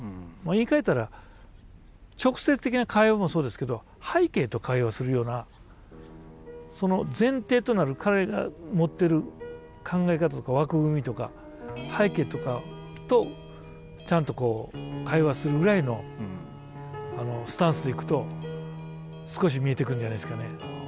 言いかえたら直接的な会話もそうですけど背景と会話するようなその前提となる彼らが持っている考え方とか枠組みとか背景とかとちゃんと会話するぐらいのスタンスでいくと少し見えてくるんじゃないですかね。